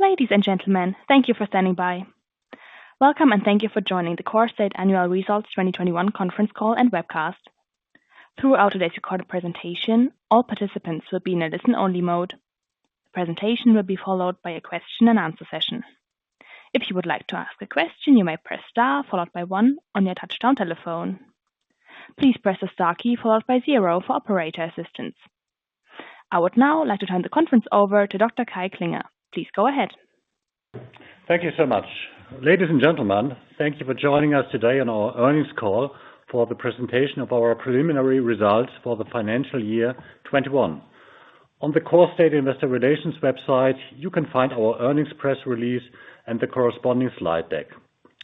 Ladies and gentlemen, thank you for standing by. Welcome, and thank you for joining the Corestate Annual Results 2021 conference call and webcast. Throughout today's recorded presentation, all participants will be in a listen-only mode. The presentation will be followed by a question and answer session. If you would like to ask a question, you may press star followed by one on your touchtone telephone. Please press the star key followed by zero for operator assistance. I would now like to turn the conference over to Dr. Kai Klinger. Please go ahead. Thank you so much. Ladies and gentlemen, thank you for joining us today on our earnings call for the presentation of our preliminary results for the financial year 2021. On the Corestate Investor Relations website, you can find our earnings press release and the corresponding slide deck.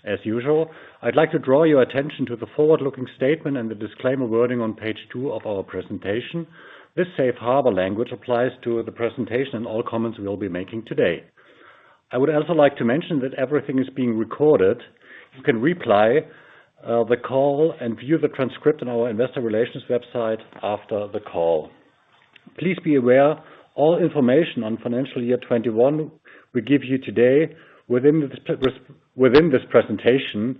As usual, I'd like to draw your attention to the forward-looking statement and the disclaimer wording on page two of our presentation. This safe harbor language applies to the presentation and all comments we will be making today. I would also like to mention that everything is being recorded. You can replay the call and view the transcript on our investor relations website after the call. Please be aware all information on financial year 2021 we give you today within this presentation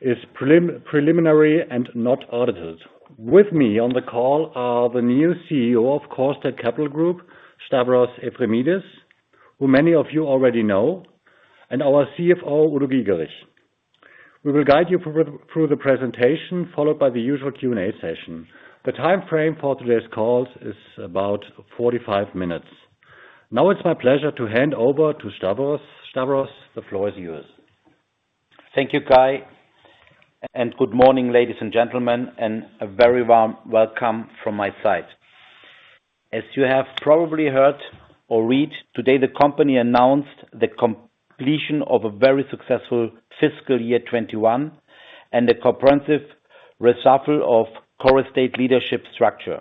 is preliminary and not audited. With me on the call are the new CEO of Corestate Capital Group, Stavros Efremidis, who many of you already know, and our CFO, Udo Giegerich. We will guide you through the presentation, followed by the usual Q&A session. The timeframe for today's call is about 45 minutes. Now it's my pleasure to hand over to Stavros. Stavros, the floor is yours. Thank you, Kai, and good morning, ladies and gentlemen, and a very warm welcome from my side. As you have probably heard or read, today the company announced the completion of a very successful fiscal year 2021 and the comprehensive reshuffle of Corestate leadership structure.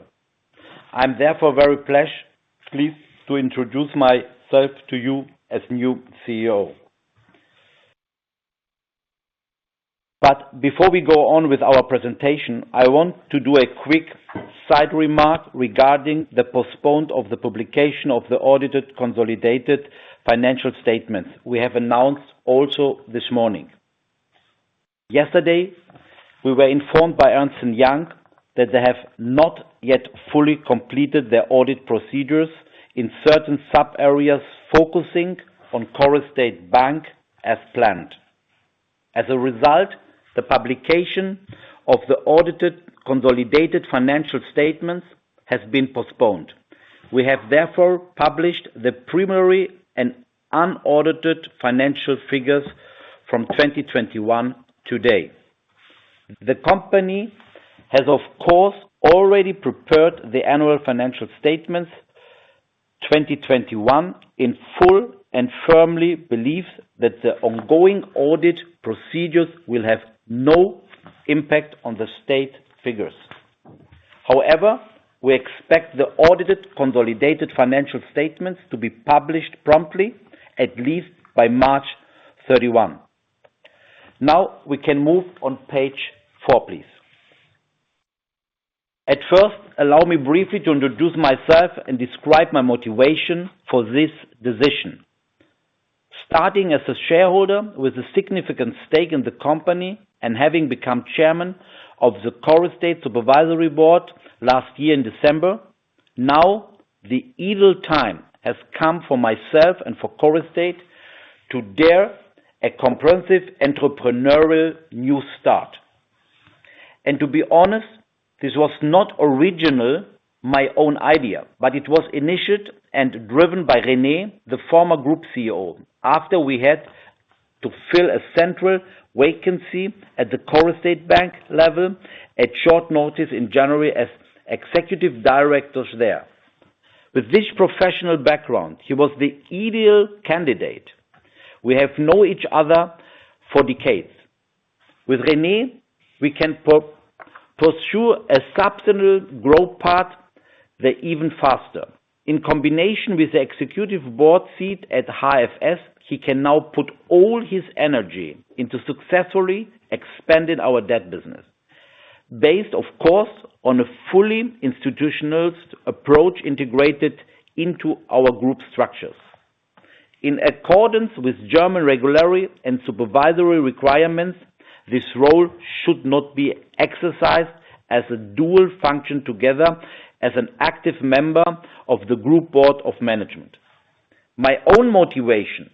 I'm therefore very pleased to introduce myself to you as new CEO. Before we go on with our presentation, I want to do a quick side remark regarding the postponement of the publication of the audited consolidated financial statements we have announced also this morning. Yesterday, we were informed by Ernst & Young that they have not yet fully completed their audit procedures in certain sub-areas focusing on Corestate Bank as planned. As a result, the publication of the audited consolidated financial statements has been postponed. We have therefore published the preliminary and unaudited financial figures from 2021 today. The company has, of course, already prepared the annual financial statements 2021 in full and firmly believes that the ongoing audit procedures will have no impact on the stated figures. However, we expect the audited consolidated financial statements to be published promptly, at least by March 31. Now we can move on page 4, please. At first, allow me briefly to introduce myself and describe my motivation for this decision. Starting as a shareholder with a significant stake in the company and having become Chairman of the Corestate Supervisory Board last year in December, now the vital time has come for myself and for Corestate to dare a comprehensive entrepreneurial new start. To be honest, this was not originally my own idea, but it was initiated and driven by René, the former group CEO, after we had to fill a central vacancy at the Corestate Bank level at short notice in January as executive directors there. With this professional background, he was the ideal candidate. We have known each other for decades. With René, we can pursue a substantial growth path even faster. In combination with the executive board seat at HFS, he can now put all his energy into successfully expanding our debt business based, of course, on a fully institutional approach integrated into our group structures. In accordance with German regulatory and supervisory requirements, this role should not be exercised as a dual function together as an active member of the group board of management. My own motivation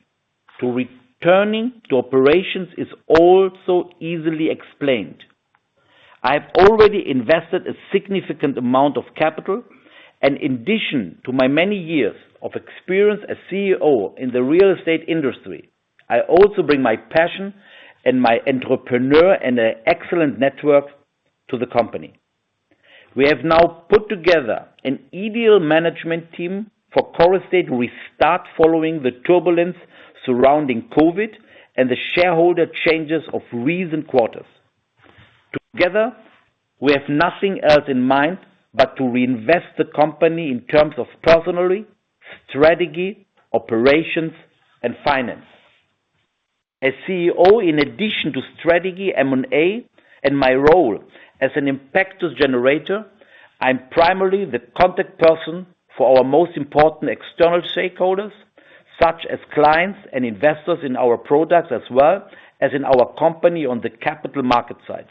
to returning to operations is also easily explained. I have already invested a significant amount of capital, and in addition to my many years of experience as CEO in the real estate industry, I also bring my passion and my entrepreneurial and an excellent network to the company. We have now put together an ideal management team for Corestate. We start following the turbulence surrounding COVID and the shareholder changes of recent quarters. Together, we have nothing else in mind but to reinvest the company in terms of personnel, strategy, operations, and finance. As CEO, in addition to strategy M&A and my role as an impact generator, I'm primarily the contact person for our most important external stakeholders, such as clients and investors in our products as well as in our company on the capital market side.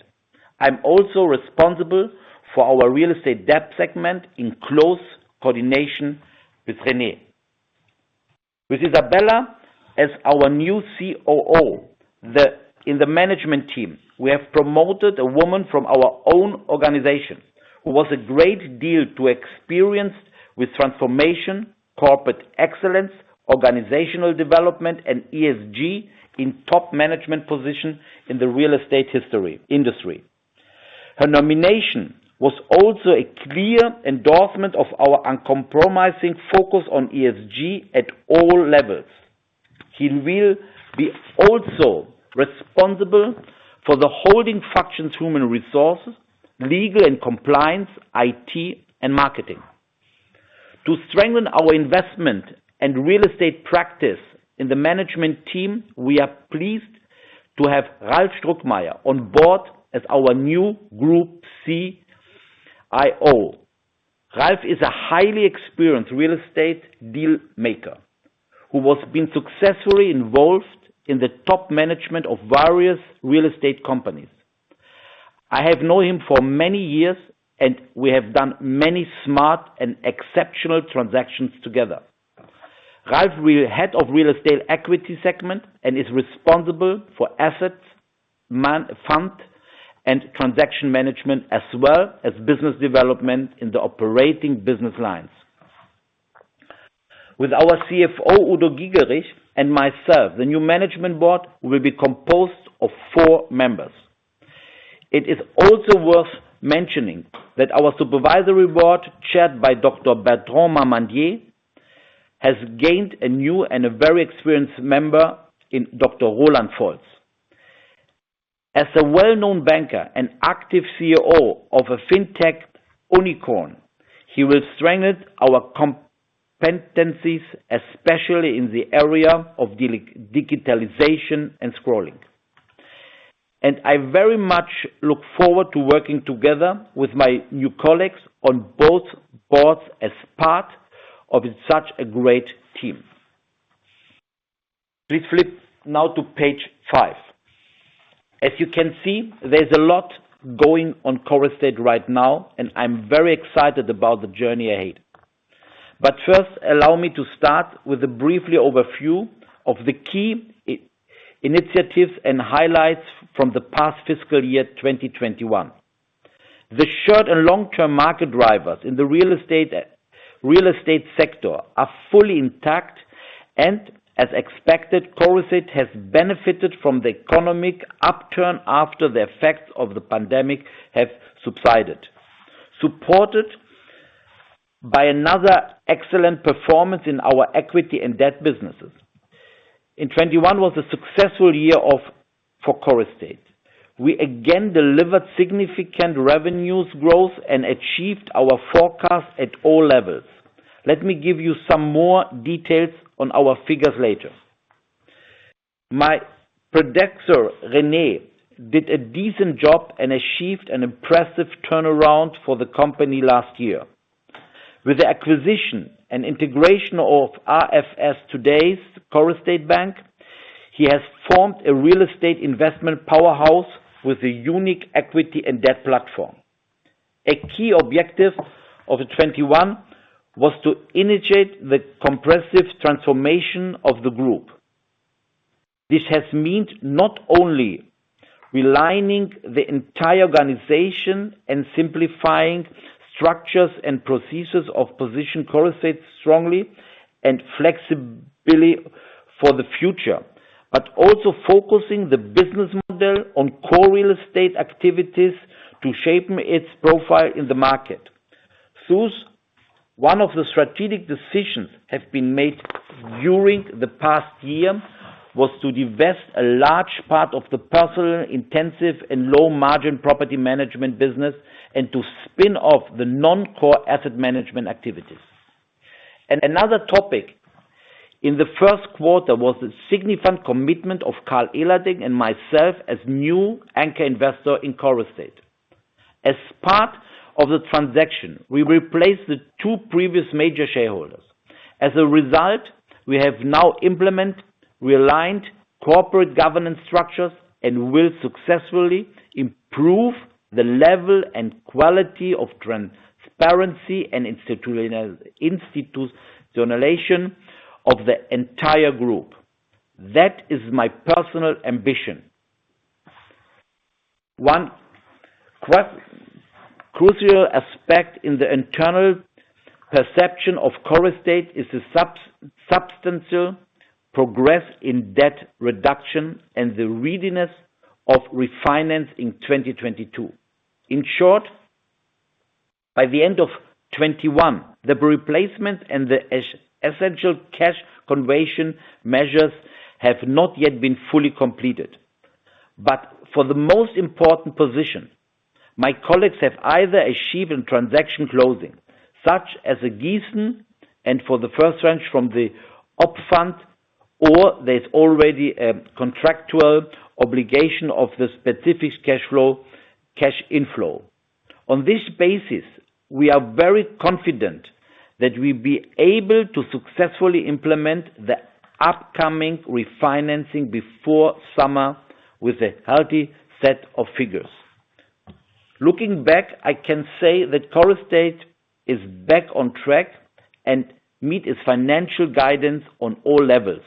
I'm also responsible for our real estate debt segment in close coordination with René. With Isabella as our new COO, in the management team, we have promoted a woman from our own organization who has a great deal of experience with transformation, corporate excellence, organizational development, and ESG in top management positions in the real estate industry. Her nomination was also a clear endorsement of our uncompromising focus on ESG at all levels. She will be also responsible for the holding functions human resources, legal and compliance, IT, and marketing. To strengthen our investment and real estate practice in the management team, we are pleased to have Ralf Struckmeier on board as our new group CIO. Ralf is a highly experienced real estate deal maker who has been successfully involved in the top management of various real estate companies. I have known him for many years and we have done many smart and exceptional transactions together. Ralf Struckmeier will head of real estate equity segment and is responsible for assets, fund and transaction management, as well as business development in the operating business lines. With our CFO, Udo Giegerich, and myself, the new management board will be composed of four members. It is also worth mentioning that our supervisory board, chaired by Dr. Bertrand Malmendier, has gained a new and a very experienced member in Dr. Roland Folz. As a well-known banker and active CEO of a fintech unicorn, he will strengthen our competencies, especially in the area of digitalization and scaling. I very much look forward to working together with my new colleagues on both boards as part of such a great team. Please flip now to page 5. As you can see, there's a lot going on Corestate right now, and I'm very excited about the journey ahead. First, allow me to start with a brief overview of the key initiatives and highlights from the past fiscal year 2021. The short- and long-term market drivers in the real estate sector are fully intact, and as expected, Corestate has benefited from the economic upturn after the effects of the pandemic have subsided, supported by another excellent performance in our equity and debt businesses. 2021 was a successful year for Corestate. We again delivered significant revenue growth and achieved our forecast at all levels. Let me give you some more details on our figures later. My predecessor, René, did a decent job and achieved an impressive turnaround for the company last year. With the acquisition and integration of AFS, today's Corestate Bank, he has formed a real estate investment powerhouse with a unique equity and debt platform. A key objective of 2021 was to initiate the comprehensive transformation of the group. This has meant not only realigning the entire organization and simplifying structures and procedures to position Corestate strongly and flexibly for the future, but also focusing the business model on core real estate activities to shape its profile in the market. Thus, one of the strategic decisions have been made during the past year was to divest a large part of the personnel-intensive and low-margin property management business and to spin off the non-core asset management activities. Another topic in the Q1 was the significant commitment of Karl Ehlerding and myself as new anchor investor in Corestate. As part of the transaction, we replaced the two previous major shareholders. As a result, we have now implemented realigned corporate governance structures and will successfully improve the level and quality of transparency and institutionalization of the entire group. That is my personal ambition. One crucial aspect in the internal perception of Corestate is the substantial progress in debt reduction and the readiness to refinance in 2022. In short, by the end of 2021, the replacement and the essential cash conversion measures have not yet been fully completed. For the most important position, my colleagues have either achieved in transaction closing, such as Giessen and for the first tranche from the UP fund, or there's already a contractual obligation of the specific cash flow, cash inflow. On this basis, we are very confident that we'll be able to successfully implement the upcoming refinancing before summer with a healthy set of figures. Looking back, I can say that Corestate is back on track and met its financial guidance on all levels.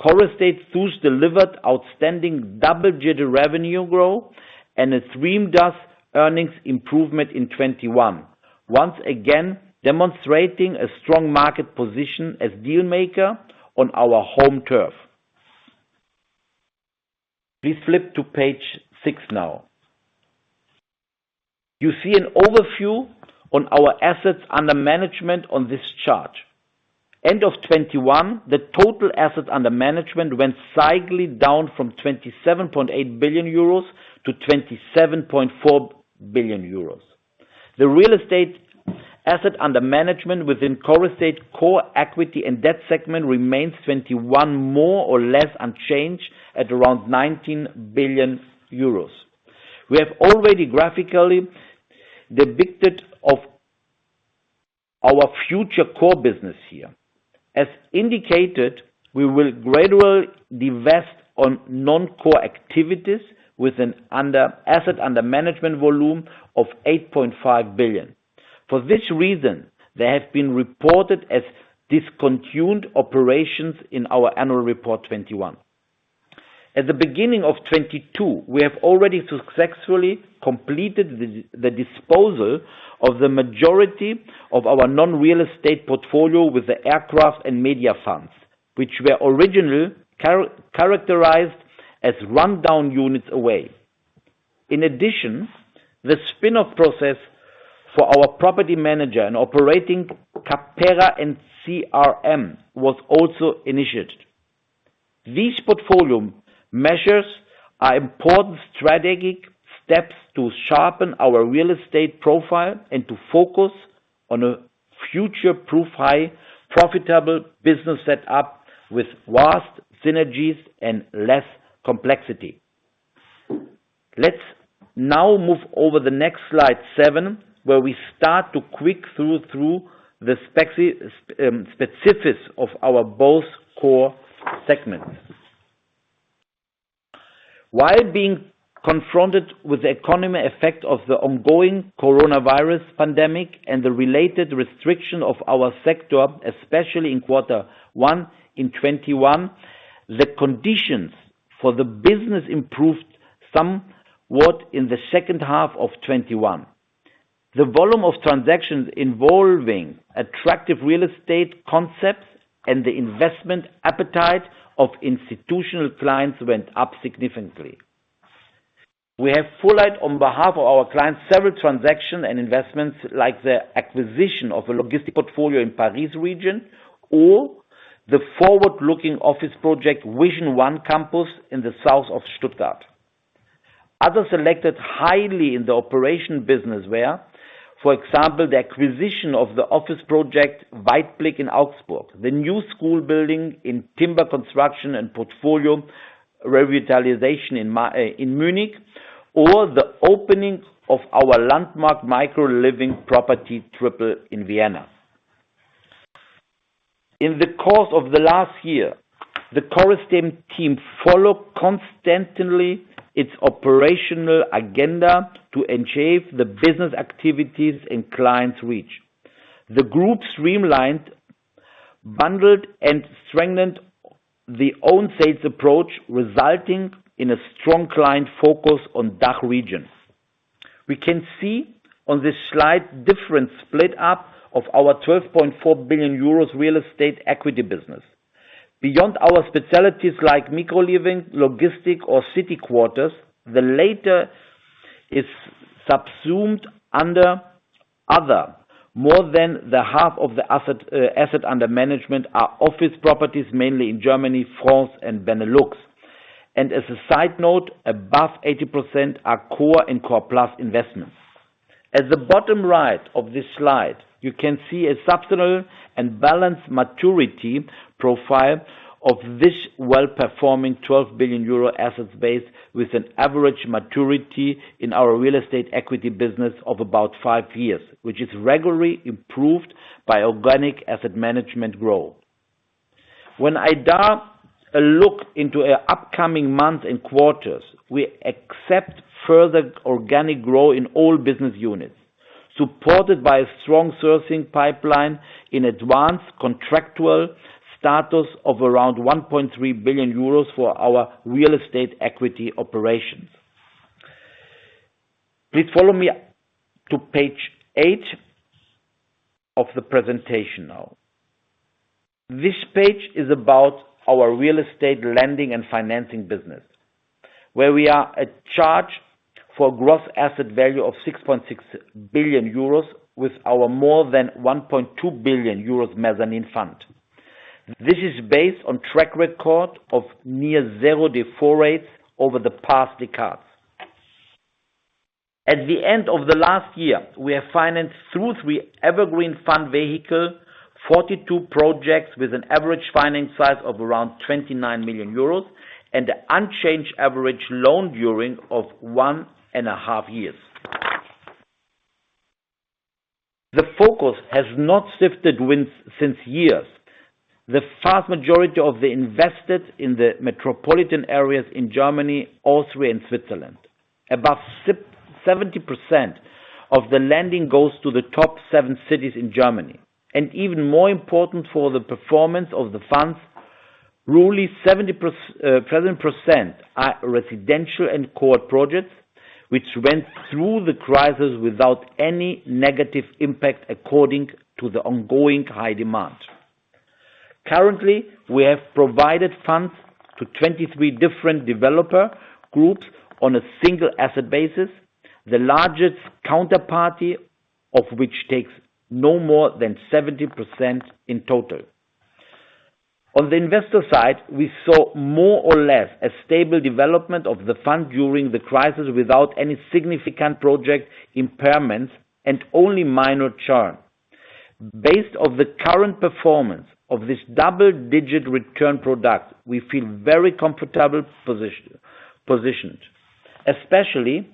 Corestate thus delivered outstanding double-digit revenue growth and a triple-digit earnings improvement in 2021, once again demonstrating a strong market position as deal maker on our home turf. Please flip to page six now. You see an overview of our assets under management on this chart. End of 2021, the total assets under management went slightly down from 27.8 billion euros to 27.4 billion euros. The real estate assets under management within Corestate's core equity and debt segment remains in 2021 more or less unchanged at around 19 billion euros. We have already graphically depicted our future core business here. As indicated, we will gradually divest our non-core activities with an asset under management volume of 8.5 billion. For this reason, they have been reported as discontinued operations in our annual report 2021. At the beginning of 2022, we have already successfully completed the disposal of the majority of our non-real estate portfolio with the aircraft and media funds, which were originally characterized as rundown units. In addition, the spin-off process for our property manager and operating CAPERA and CRM was also initiated. These portfolio measures are important strategic steps to sharpen our real estate profile and to focus on a future-proof, high profitable business set up with vast synergies and less complexity. Let's now move over the next slide, 7, where we start to walk through the specifics of our both core segments. While being confronted with the economic effect of the ongoing coronavirus pandemic and the related restriction of our sector, especially in quarter one in 2021, the conditions for the business improved somewhat in the second half of 2021. The volume of transactions involving attractive real estate concepts and the investment appetite of institutional clients went up significantly. We have fulfilled on behalf of our clients several transactions and investments like the acquisition of a logistics portfolio in Paris region or the forward-looking office project VISION ONE campus in the south of Stuttgart. Other selected highlights in the operational business were, for example, the acquisition of the office project Weitblick in Augsburg, the new school building in timber construction and portfolio revitalization in Munich, or the opening of our landmark micro living property TrIIIple in Vienna. In the course of the last year, the Corestate team followed constantly its operational agenda to achieve the business activities and clients reach. The group streamlined, bundled, and strengthened its own sales approach, resulting in a strong client focus on DACH regions. We can see on this slide different split up of our 12.4 billion euros real estate equity business. Beyond our specialties like micro living, logistics or city quarters, the latter is subsumed under other. More than half of the assets under management are office properties, mainly in Germany, France, and Benelux. As a side note, above 80% are core and core plus investments. At the bottom right of this slide, you can see a substantial and balanced maturity profile of this well-performing 12 billion euro assets base with an average maturity in our real estate equity business of about 5 years, which is regularly improved by organic asset management growth. When I dare a look into our upcoming months and quarters, we expect further organic growth in all business units, supported by a strong sourcing pipeline in advanced contractual status of around 1.3 billion euros for our real estate equity operations. Please follow me to page 8 of the presentation now. This page is about our real estate lending and financing business, where we are in charge of gross asset value of 6.6 billion euros with our more than 1.2 billion euros mezzanine fund. This is based on track record of near-zero default rates over the past decades. At the end of the last year, we have financed through 3 evergreen fund vehicles, 42 projects with an average financing size of around 29 million euros and unchanged average loan duration of 1.5 years. The focus has not shifted in years. The vast majority of the investments in the metropolitan areas in Germany, Austria, and Switzerland. Above 70% of the lending goes to the top 7 cities in Germany. Even more important for the performance of the funds, roughly 70% are residential and core projects, which went through the crisis without any negative impact according to the ongoing high demand. Currently, we have provided funds to 23 different developer groups on a single asset basis, the largest counterparty of which takes no more than 70% in total. On the investor side, we saw more or less a stable development of the fund during the crisis without any significant project impairments and only minor churn. Based off the current performance of this double-digit return product, we feel very comfortable positioned, especially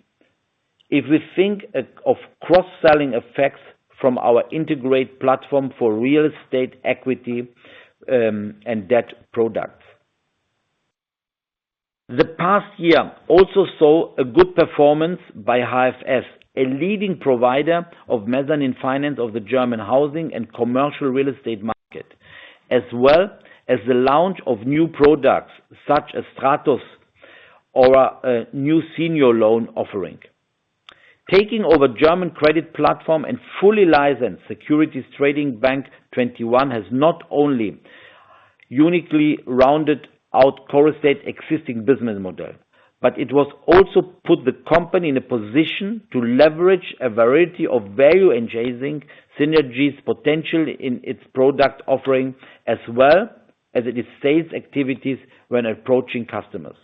if we think of cross-selling effects from our integrated platform for real estate equity and debt products. The past year also saw a good performance by HFS, a leading provider of mezzanine finance of the German housing and commercial real estate market, as well as the launch of new products such as Stratos or a new senior loan offering. Taking over German credit platform and fully licensed securities trading bank 2021 has not only uniquely rounded out Corestate existing business model, but it was also put the company in a position to leverage a variety of value-enhancing synergies potential in its product offering as well as in its sales activities when approaching customers.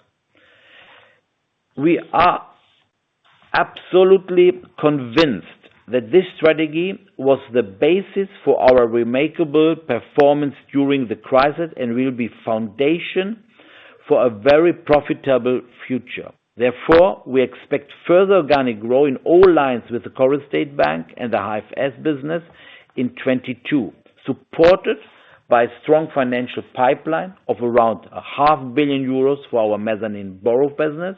We are absolutely convinced that this strategy was the basis for our remarkable performance during the crisis and will be foundation for a very profitable future. Therefore, we expect further organic growth in all lines with the Corestate Bank and the HFS business in 2022, supported by strong financing pipeline of around half a billion EUR for our mezzanine borrower business.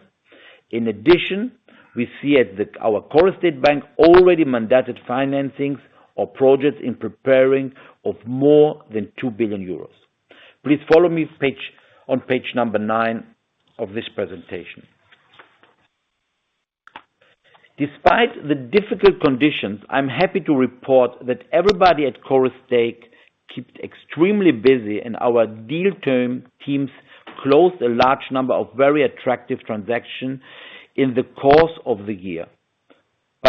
In addition, we see our Corestate Bank already mandated financings for projects in preparation of more than 2 billion euros. Please follow me on page number nine of this presentation. Despite the difficult conditions, I'm happy to report that everybody at Corestate kept extremely busy and our deal teams closed a large number of very attractive transactions in the course of the year.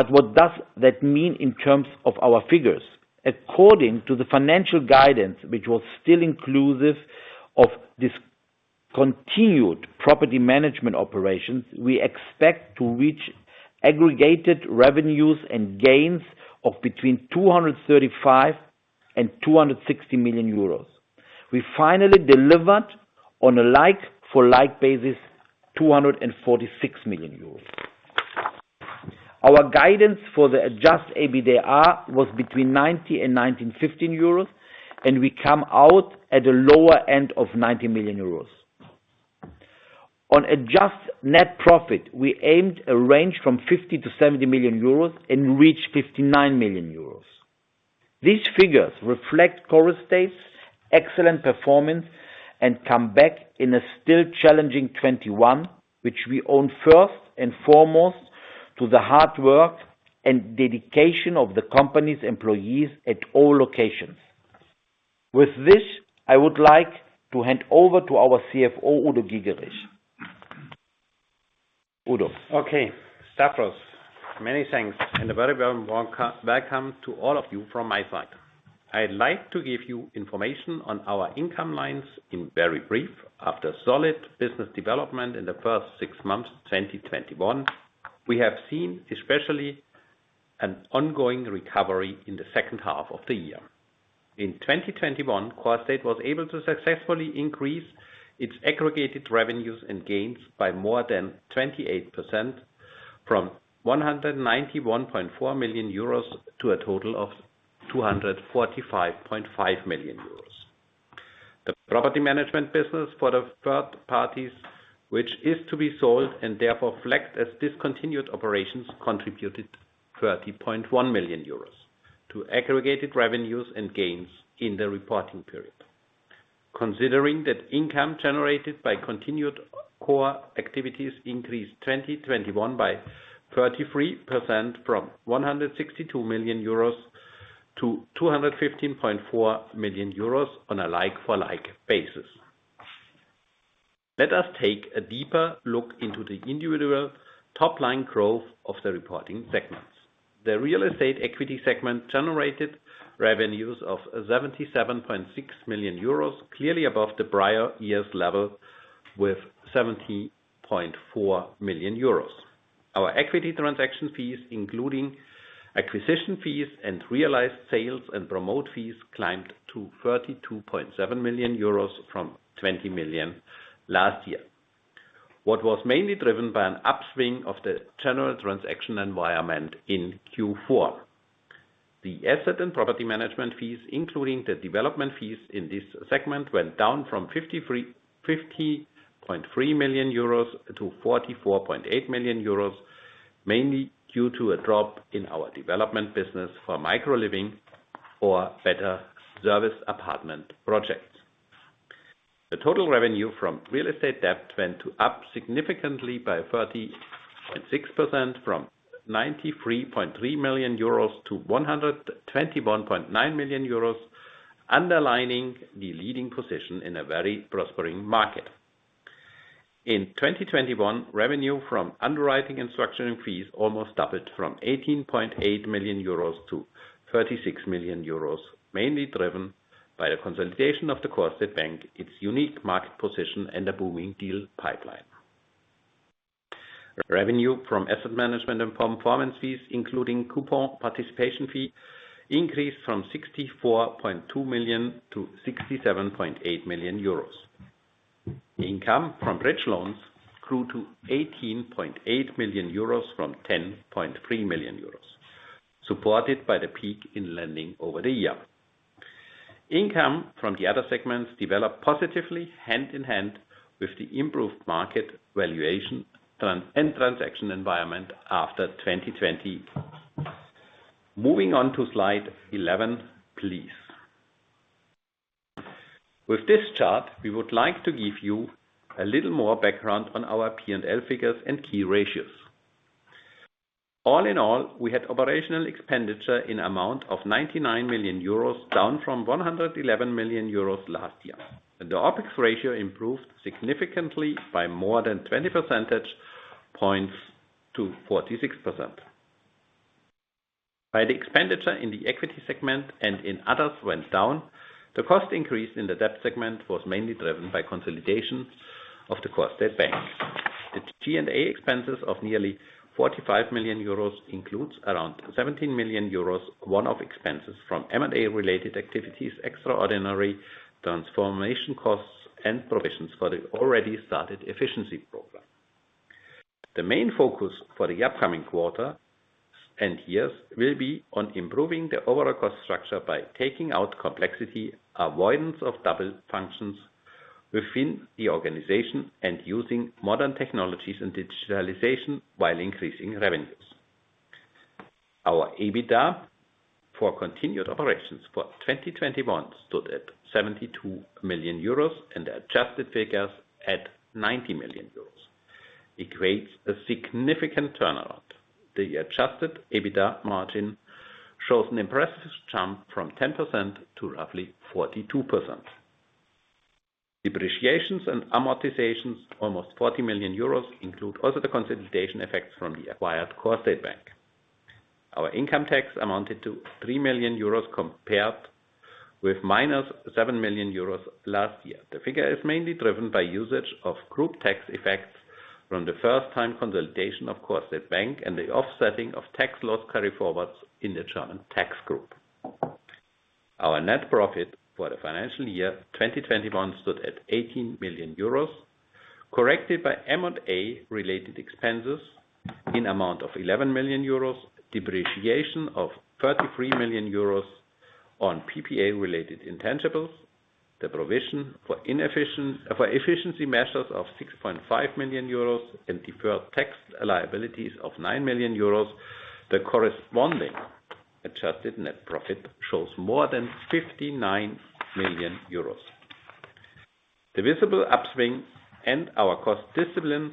What does that mean in terms of our figures? According to the financial guidance, which was still inclusive of discontinued property management operations, we expect to reach aggregated revenues and gains of between 235 million and 260 million euros. We finally delivered on a like for like basis, 246 million euros. Our guidance for the adjusted EBITDA was between 90 million and 95 million euros, and we come out at the lower end of 90 million euros. On adjusted net profit, we aimed at a range from 50 million to 70 million euros and reached 59 million euros. These figures reflect Corestate's excellent performance and comeback in a still challenging 2021, which we owe first and foremost to the hard work and dedication of the company's employees at all locations. With this, I would like to hand over to our CFO, Udo Giegerich. Udo. Okay. Stavros, many thanks and a very warm welcome to all of you from my side. I'd like to give you information on our income lines in very brief. After solid business development in the first six months, 2021, we have seen especially an ongoing recovery in the second half of the year. In 2021, Corestate was able to successfully increase its aggregated revenues and gains by more than 28% from 191.4 million euros to a total of 245.5 million euros. The property management business for the third parties, which is to be sold and therefore flagged as discontinued operations, contributed 30.1 million euros to aggregated revenues and gains in the reporting period. Considering that income generated by continued core activities increased 2021 by 33% from 162 million euros to 215.4 million euros on a like-for-like basis. Let us take a deeper look into the individual top-line growth of the reporting segments. The real estate equity segment generated revenues of 77.6 million euros, clearly above the prior year's level with 70.4 million euros. Our equity transaction fees, including acquisition fees and realized sales and promote fees, climbed to 32.7 million euros from 20 million last year. What was mainly driven by an upswing of the general transaction environment in Q4. The asset and property management fees, including the development fees in this segment, went down from 50.3 million euros to 44.8 million euros, mainly due to a drop in our development business for micro living or serviced apartment projects. The total revenue from real estate debt went up significantly by 30.6% from 93.3 million euros to 121.9 million euros, underlining the leading position in a very prospering market. In 2021, revenue from underwriting and structuring fees almost doubled from 18.8 million euros to 36 million euros, mainly driven by the consolidation of the Corestate Bank, its unique market position, and a booming deal pipeline. Revenue from asset management and performance fees, including coupon participation fees, increased from 64.2 million to 67.8 million euros. Income from bridge loans grew to 18.8 million euros from 10.3 million euros, supported by the peak in lending over the year. Income from the other segments developed positively hand-in-hand with the improved market valuation and transaction environment after 2020. Moving on to slide 11, please. With this chart, we would like to give you a little more background on our P&L figures and key ratios. All in all, we had operating expenditure in amount of 99 million euros, down from 111 million euros last year. The OpEx ratio improved significantly by more than 20 percentage points to 46%. While the expenditure in the equity segment and in others went down, the cost increase in the debt segment was mainly driven by consolidation of the Corestate Bank. The G&A expenses of nearly 45 million euros includes around 17 million euros one-off expenses from M&A related activities, extraordinary transformation costs, and provisions for the already started efficiency program. The main focus for the upcoming quarter and years will be on improving the overall cost structure by taking out complexity, avoidance of double functions within the organization, and using modern technologies and digitalization while increasing revenues. Our EBITDA for continued operations for 2021 stood at 72 million euros and the adjusted figures at 90 million euros. It creates a significant turnaround. The adjusted EBITDA margin shows an impressive jump from 10% to roughly 42%. Depreciations and amortizations, almost 40 million euros, include also the consolidation effects from the acquired Corestate Bank. Our income tax amounted to 3 million euros compared with -7 million euros last year. The figure is mainly driven by usage of group tax effects from the first time consolidation of Corestate Bank and the offsetting of tax loss carryforwards in the German tax group. Our net profit for the financial year 2021 stood at 18 million euros, corrected by M&A-related expenses in amount of 11 million euros, depreciation of 33 million euros on PPA-related intangibles, the provision for efficiency measures of 6.5 million euros, and deferred tax liabilities of 9 million euros. The corresponding adjusted net profit shows more than 59 million euros. The visible upswing and our cost discipline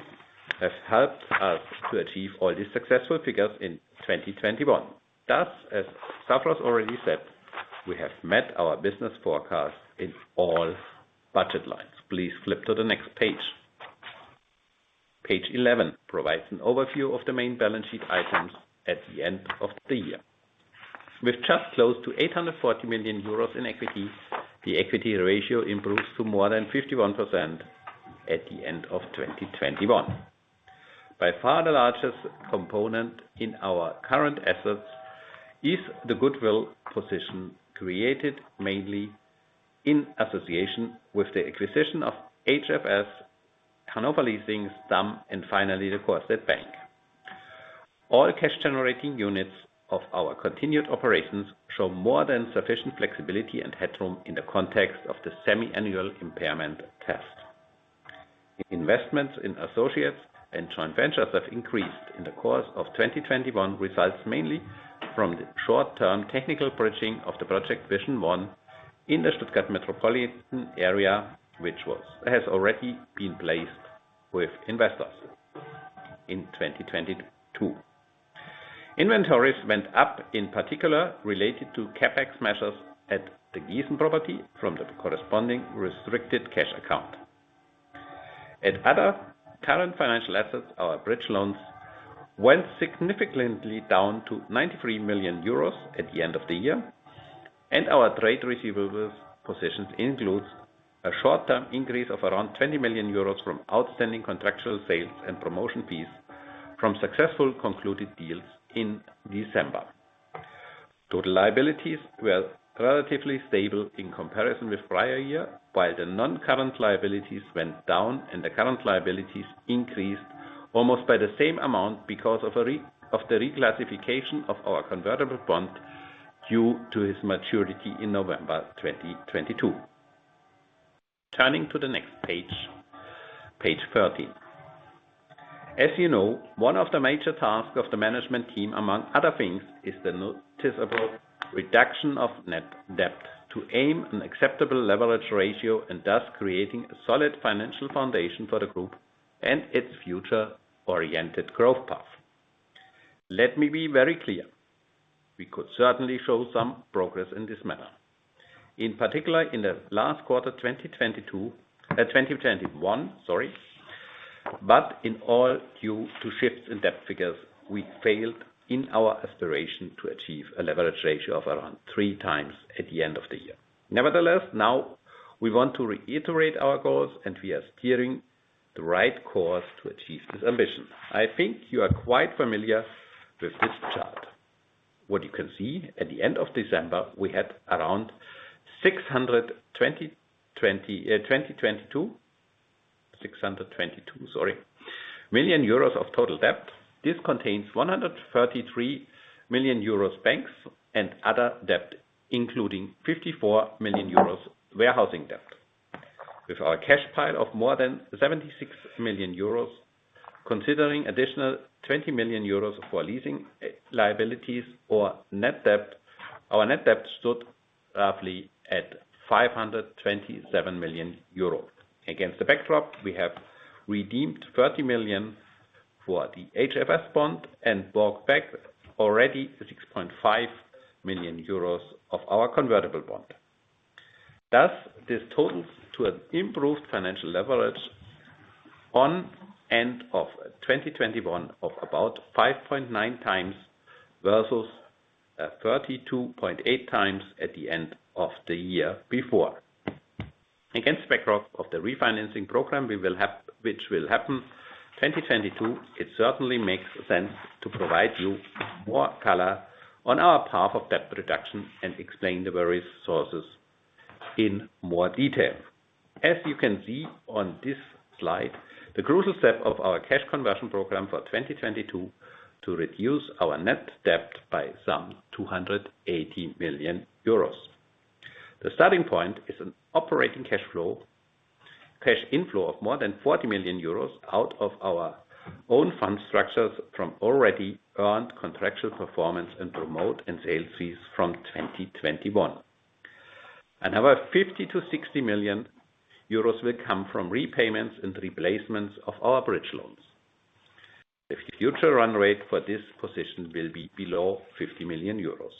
have helped us to achieve all these successful figures in 2021. Thus, as Stavros already said, we have met our business forecast in all budget lines. Please flip to the next page. Page 11 provides an overview of the main balance sheet items at the end of the year. With just close to 840 million euros in equity, the equity ratio improves to more than 51% at the end of 2021. By far the largest component in our current assets is the goodwill position created mainly in association with the acquisition of HFS, Hannover Leasing, STAM, and finally, the Corestate Bank. All cash-generating units of our continued operations show more than sufficient flexibility and headroom in the context of the semi-annual impairment test. Investments in associates and joint ventures have increased in the course of 2021, results mainly from the short-term technical bridging of the project VISION ONE in the Stuttgart metropolitan area, which has already been placed with investors in 2022. Inventories went up in particular related to CapEx measures at the Giessen property from the corresponding restricted cash account. At other current financial assets, our bridge loans went significantly down to 93 million euros at the end of the year, and our trade receivables positions includes a short-term increase of around 20 million euros from outstanding contractual sales and promotion fees from successful concluded deals in December. Total liabilities were relatively stable in comparison with prior year, while the non-current liabilities went down and the current liabilities increased almost by the same amount because of the reclassification of our convertible bond due to its maturity in November 2022. Turning to the next page 13. As you know, one of the major tasks of the management team, among other things, is the noticeable reduction of net debt to aim an acceptable leverage ratio and thus creating a solid financial foundation for the group and its future-oriented growth path. Let me be very clear, we could certainly show some progress in this manner. In particular, in the last quarter, 2022, 2021, sorry, but overall due to shifts in debt figures, we failed in our aspiration to achieve a leverage ratio of around 3x at the end of the year. Nevertheless, now we want to reiterate our goals, and we are steering the right course to achieve this ambition. I think you are quite familiar with this chart. What you can see at the end of December, we had around 622 million euros of total debt. This contains 133 million euros banks and other debt, including 54 million euros warehousing debt. With our cash pile of more than 76 million euros, considering additional 20 million euros for leasing liabilities or net debt, our net debt stood roughly at 527 million euro. Against the backdrop, we have redeemed 30 million for the HFS bond and bought back already 6.5 million euros of our convertible bond. Thus, this totals to an improved financial leverage at end of 2021 of about 5.9x versus 32.8x at the end of the year before. Against backdrop of the refinancing program we will have, which will happen 2022, it certainly makes sense to provide you more color on our path of debt reduction and explain the various sources in more detail. As you can see on this slide, the crucial step of our cash conversion program for 2022 to reduce our net debt by some 280 million euros. The starting point is an operating cash flow, cash inflow of more than 40 million euros out of our own fund structures from already earned contractual performance and promote and sales fees from 2021. Another 50 million-60 million euros will come from repayments and replacements of our bridge loans. The future run rate for this position will be below 50 million euros.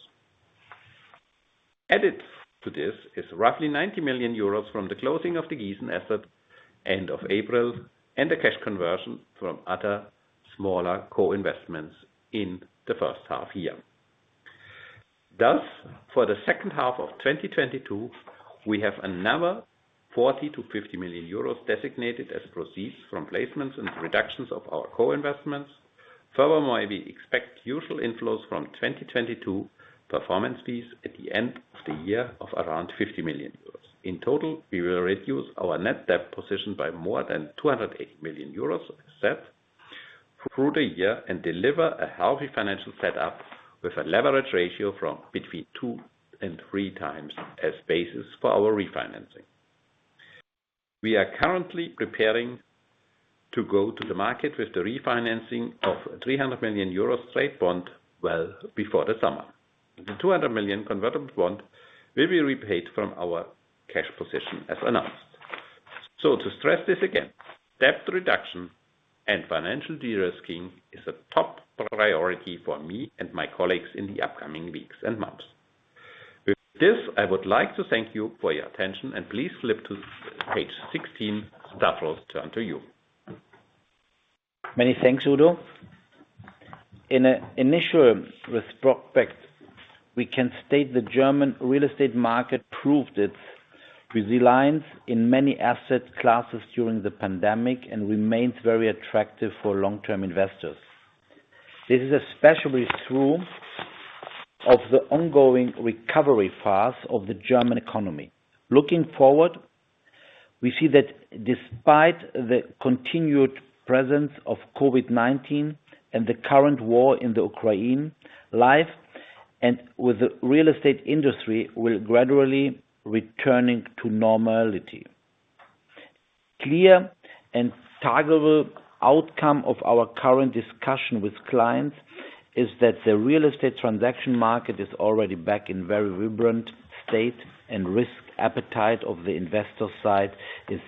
Added to this is roughly 90 million euros from the closing of the Giessen asset end of April and the cash conversion from other smaller co-investments in the first half year. Thus, for the second half of 2022, we have another 40 million-50 million euros designated as proceeds from placements and reductions of our co-investments. Furthermore, we expect usual inflows from 2022 performance fees at the end of the year of around 50 million euros. In total, we will reduce our net debt position by more than 280 million euros by the end of the year and deliver a healthy financial setup with a leverage ratio of between 2 and 3 times as basis for our refinancing. We are currently preparing to go to the market with the refinancing of 300 million euro straight bond well before the summer. The 200 million convertible bond will be repaid from our cash position as announced. To stress this again, debt reduction and financial de-risking is a top priority for me and my colleagues in the upcoming weeks and months. With this, I would like to thank you for your attention and please flip to page 16. Stavros, over to you. Many thanks, Udo. In an initial retrospect, we can state the German real estate market proved its resilience in many asset classes during the pandemic and remains very attractive for long-term investors. This is especially true of the ongoing recovery phase of the German economy. Looking forward, we see that despite the continued presence of COVID-19 and the current war in the Ukraine, life and the real estate industry will gradually return to normality. A clear and tangible outcome of our current discussion with clients is that the real estate transaction market is already back in very vibrant state, and risk appetite of the investor side is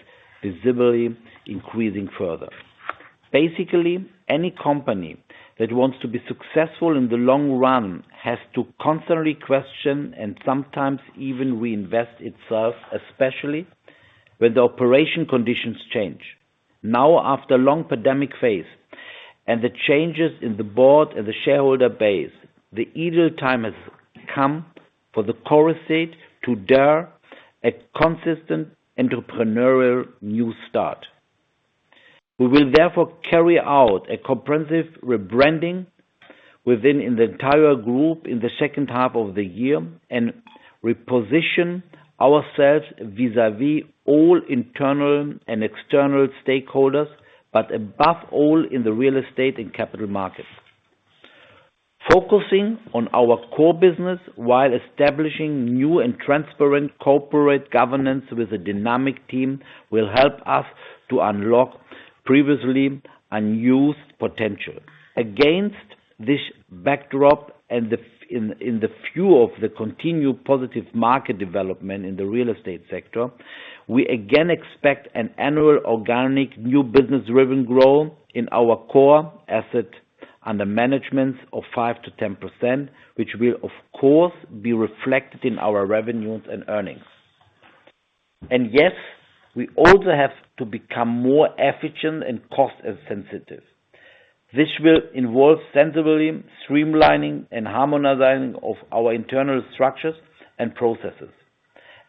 visibly increasing further. Basically, any company that wants to be successful in the long run has to constantly question and sometimes even reinvent itself, especially when the operating conditions change. Now, after the long pandemic phase and the changes in the board and the shareholder base, the ideal time has come for Corestate to dare a consistent entrepreneurial new start. We will therefore carry out a comprehensive rebranding within the entire group in the second half of the year and reposition ourselves vis-a-vis all internal and external stakeholders, but above all, in the real estate and capital markets. Focusing on our core business while establishing new and transparent corporate governance with a dynamic team will help us to unlock previously unused potential. Against this backdrop, in the view of the continued positive market development in the real estate sector, we again expect an annual organic new business driven growth in our core assets under management of 5%-10%, which will of course, be reflected in our revenues and earnings. Yes, we also have to become more efficient and cost sensitive. This will involve sensibly streamlining and harmonizing of our internal structures and processes.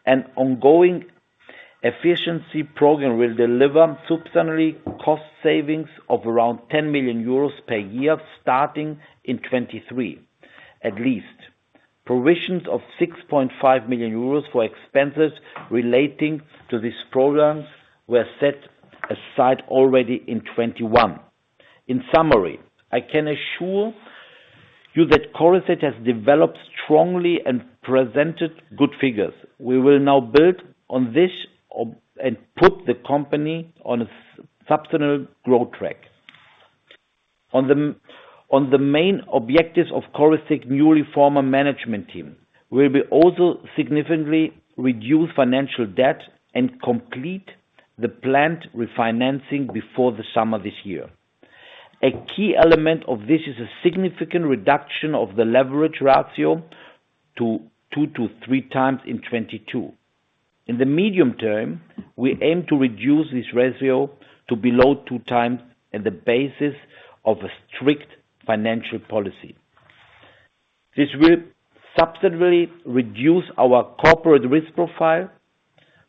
An ongoing efficiency program will deliver substantial cost savings of around 10 million euros per year, starting in 2023, at least. Provisions of 6.5 million euros for expenses relating to these programs were set aside already in 2021. In summary, I can assure you that Corestate has developed strongly and presented good figures. We will now build on this and put the company on a substantial growth track. On the main objectives of Corestate's newly formed management team, we will also significantly reduce financial debt and complete the planned refinancing before the summer this year. A key element of this is a significant reduction of the leverage ratio to 2-3 times in 2022. In the medium term, we aim to reduce this ratio to below 2x on the basis of a strict financial policy. This will substantially reduce our corporate risk profile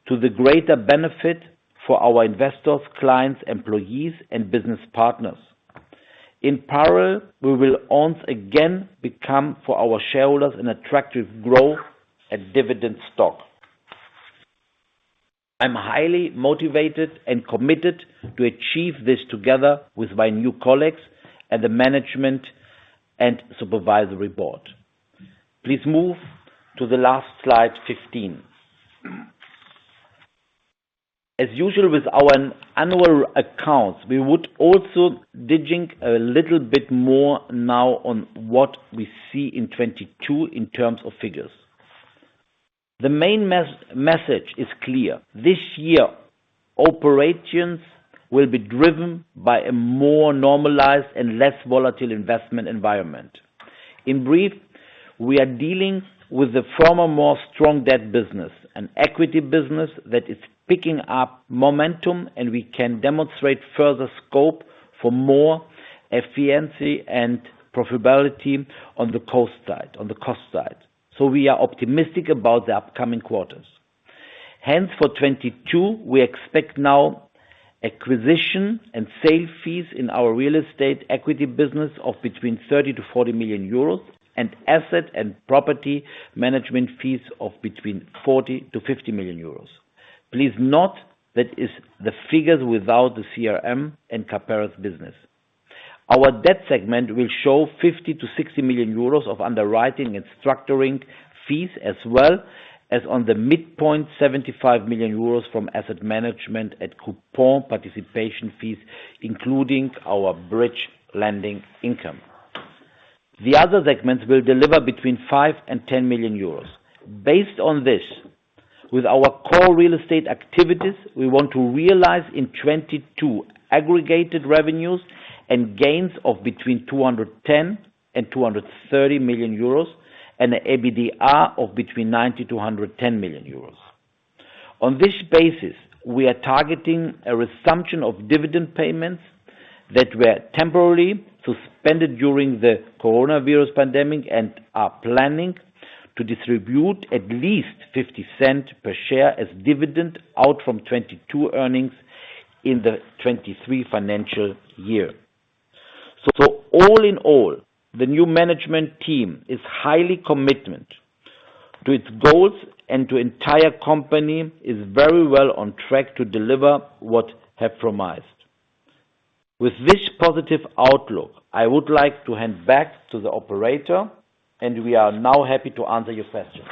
to the greater benefit for our investors, clients, employees, and business partners. In parallel, we will once again become for our shareholders an attractive growth and dividend stock. I'm highly motivated and committed to achieve this together with my new colleagues and the management and supervisory board. Please move to the last slide, 15. As usual with our annual accounts, we would also dig in a little bit more now on what we see in 2022 in terms of figures. The main message is clear. This year, operations will be driven by a more normalized and less volatile investment environment. In brief, we are dealing with the formerly strong debt business, an equity business that is picking up momentum, and we can demonstrate further scope for more efficiency and profitability on the cost side. We are optimistic about the upcoming quarters. Hence, for 2022, we expect now acquisition and sale fees in our real estate equity business of between 30 million-40 million euros and asset and property management fees of between 40 million-50 million euros. Please note that is the figures without the CRM and CAPERA business. Our debt segment will show 50 million-60 million euros of underwriting and structuring fees as well as, on the midpoint, 75 million euros from asset management and coupon participation fees, including our bridge lending income. The other segments will deliver between 5 million and 10 million euros. Based on this, with our core real estate activities, we want to realize in 2022, aggregated revenues and gains of between 210 million and 230 million euros and an EBITDA of between 90 million euros and 110 million euros. On this basis, we are targeting a resumption of dividend payments that were temporarily suspended during the coronavirus pandemic and are planning to distribute at least 0.50 per share as dividend out from 2022 earnings in the 2023 financial year. All in all, the new management team is highly committed to its goals and the entire company is very well on track to deliver what we have promised. With this positive outlook, I would like to hand back to the operator and we are now happy to answer your questions.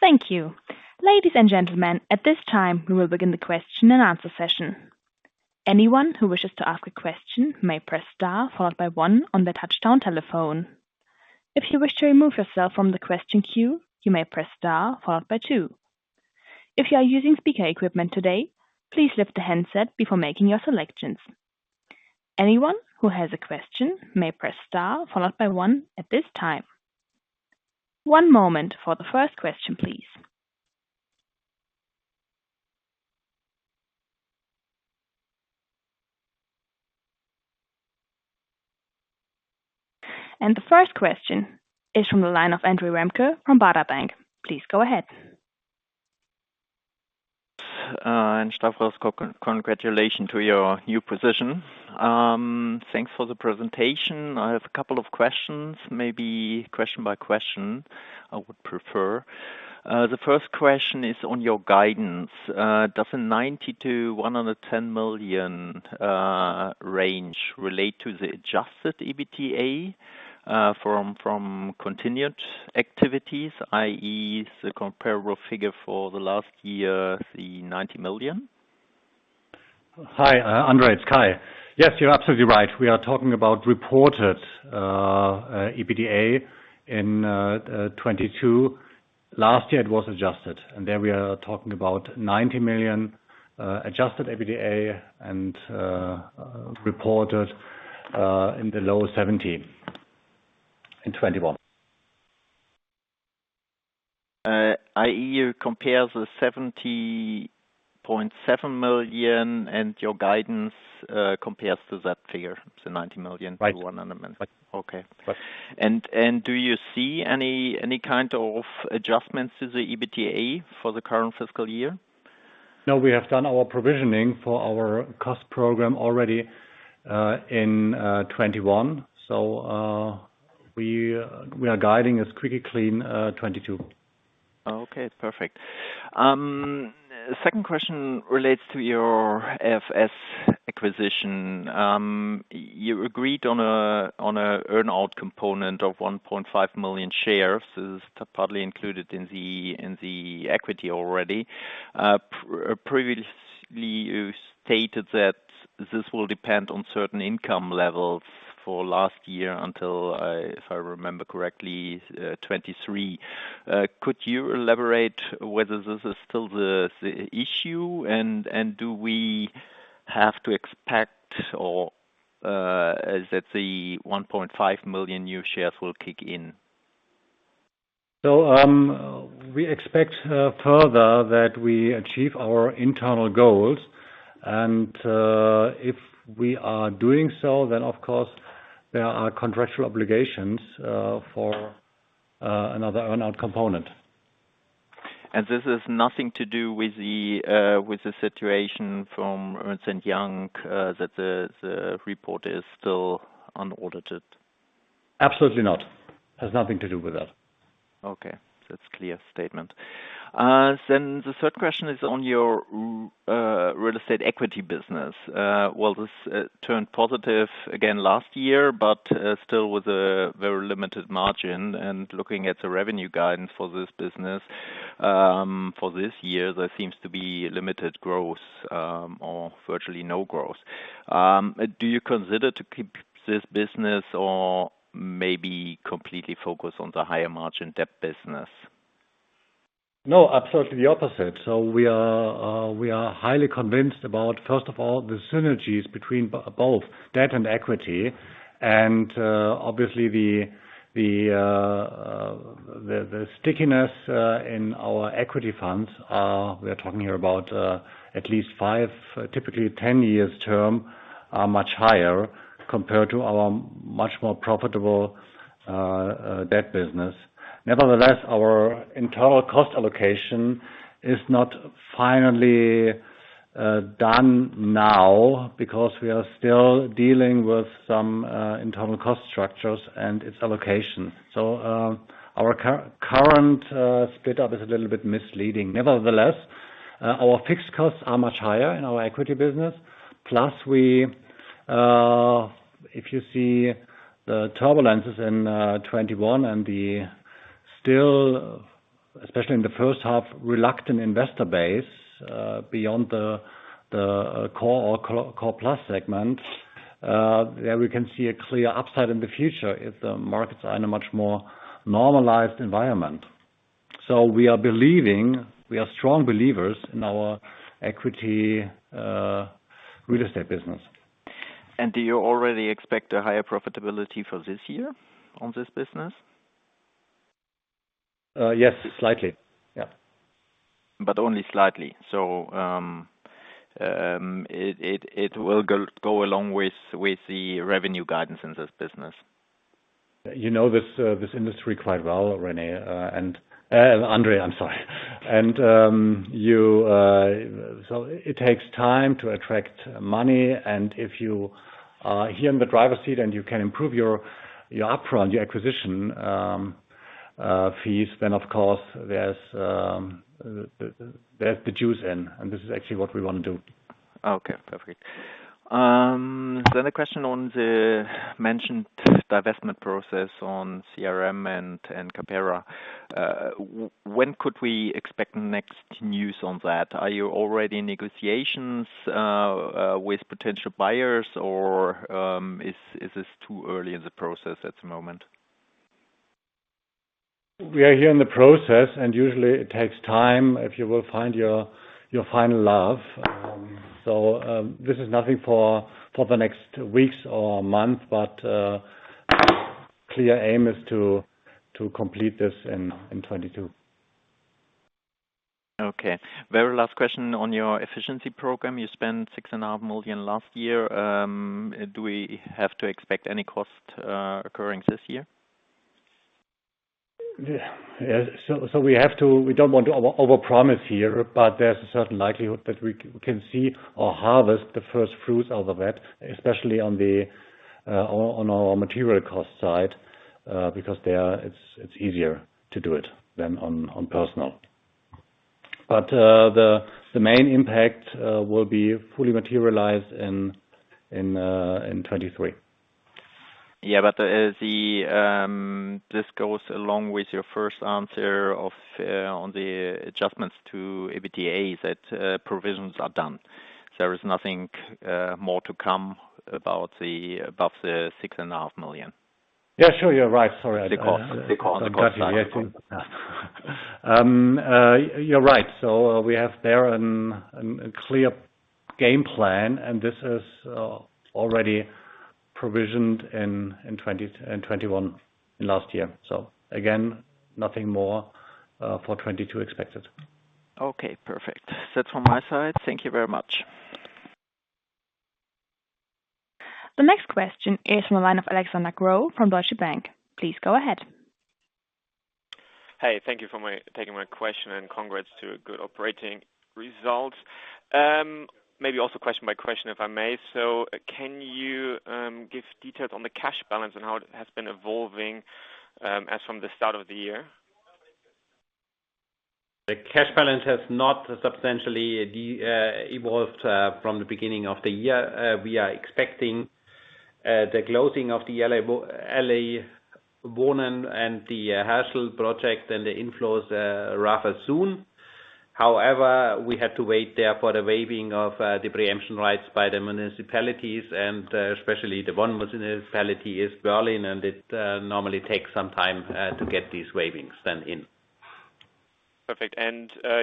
Thank you. Ladies and gentlemen, at this time, we will begin the question and answer session. Anyone who wishes to ask a question may press star followed by one on their touch-tone telephone. If you wish to remove yourself from the question queue, you may press star followed by two. If you are using speaker equipment today, please lift the handset before making your selections. Anyone who has a question may press star followed by one at this time. One moment for the first question, please. The first question is from the line of Andre Remke from Baader Bank. Please go ahead. Stavros Efremidis, congratulations to your new position. Thanks for the presentation. I have a couple of questions, maybe question by question, I would prefer. The first question is on your guidance. Does the 90 million-110 million range relate to the adjusted EBITDA from continued activities, i.e., the comparable figure for the last year, the 90 million? Hi, Andre. It's Kai. Yes, you're absolutely right. We are talking about reported EBITDA in 2022. Last year, it was adjusted, and there we are talking about 90 million adjusted EBITDA and reported in the lower 17 in 2021.I I.e., you compare the 70.7 million and your guidance compares to that figure, the 90 million. Right. To one element. Right. Okay. Right. Do you see any kind of adjustments to the EBITDA for the current fiscal year? No, we have done our provisioning for our cost program already, in 2021. We are guiding as pretty clean, 2022. Okay. Perfect. Second question relates to your AFS acquisition. You agreed on an earn-out component of 1.5 million shares. This is partly included in the equity already. Previously, you stated that this will depend on certain income levels for last year until, if I remember correctly, 2023. Could you elaborate whether this is still the issue and do we have to expect or is that the 1.5 million new shares will kick in? We expect further that we achieve our internal goals and if we are doing so, then of course there are contractual obligations for another earn-out component. This has nothing to do with the situation from Ernst & Young that the report is still unaudited. Absolutely not. It has nothing to do with that. Okay. That's clear statement. The third question is on your real estate equity business. Well, this turned positive again last year, but still with a very limited margin. Looking at the revenue guidance for this business for this year, there seems to be limited growth or virtually no growth. Do you consider keeping this business or maybe completely focusing on the higher margin debt business? No, absolutely the opposite. We are highly convinced about, first of all, the synergies between both debt and equity and, obviously, the stickiness in our equity funds, we are talking here about at least five, typically 10 years term, are much higher compared to our much more profitable debt business. Nevertheless, our internal cost allocation is not finally done now because we are still dealing with some internal cost structures and its allocation. Our current split up is a little bit misleading. Nevertheless, our fixed costs are much higher in our equity business. Plus we, if you see the turbulences in 2021 and the still, especially in the first half, reluctant investor base, beyond the core or co-core plus segments, there we can see a clear upside in the future if the markets are in a much more normalized environment. We are believing, we are strong believers in our equity real estate business. Do you already expect a higher profitability for this year on this business? Yes. Slightly. Yeah. Only slightly. It will go along with the revenue guidance in this business. You know this industry quite well, René, and Andre, I'm sorry. It takes time to attract money, and if you are here in the driver's seat and you can improve your upfront acquisition fees, then of course there's the juice in, and this is actually what we wanna do. Okay. Perfect. A question on the mentioned divestment process on CRM and CAPERA. When could we expect next news on that? Are you already in negotiations with potential buyers or is this too early in the process at the moment? We are here in the process, and usually it takes time if you will find your final love. This is nothing for the next weeks or month, but clear aim is to complete this in 2022. Okay. Very last question on your efficiency program. You spent 6.5 million last year. Do we have to expect any cost occurring this year? Yeah. We don't want to overpromise here, but there's a certain likelihood that we can see or harvest the first fruits out of that, especially on our material cost side, because there it's easier to do it than on personnel. The main impact will be fully materialized in 2023. This goes along with your first answer on the adjustments to EBITDA that provisions are done. There is nothing more to come above the 6.5 million. Yeah, sure. You're right. Sorry. The cost. You're right. We have there a clear game plan, and this is already provisioned in 2021, in last year. Again, nothing more for 2022 expected. Okay, perfect. That's from my side. Thank you very much. The next question is from a line of Alexander Groß from Deutsche Bank. Please go ahead. Thank you for taking my question and congrats to a good operating result. Maybe also question by question, if I may. Can you give details on the cash balance and how it has been evolving as from the start of the year? The cash balance has not substantially evolved from the beginning of the year. We are expecting the closing of the LA Wohnen and the Herschel project and the inflows rather soon. However, we had to wait there for the waiving of the preemption rights by the municipalities, and especially the one municipality in Berlin, and it normally takes some time to get these waivers in. Perfect.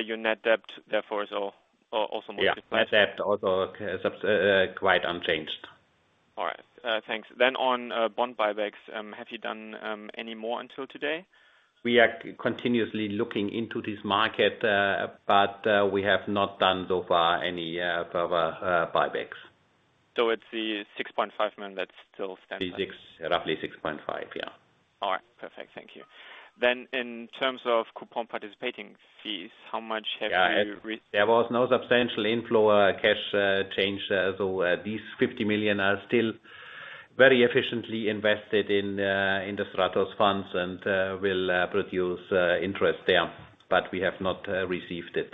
Your net debt therefore is also modified. Yeah. Net debt also is quite unchanged. All right. Thanks. On bond buybacks, have you done any more until today? We are continuously looking into this market, but we have not done so far any further buybacks. It's the 6.5 million that still stands. Roughly 6.5, yeah. All right. Perfect. Thank you. In terms of coupon participating fees, how much have you. Yeah. There was no substantial inflow, cash, change. These 50 million are still very efficiently invested in the Stratos funds and will produce interest there, but we have not received it.